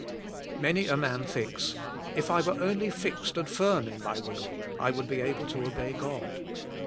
Many a man thinks, If I were only fixed and firm in my will, I would be able to obey God.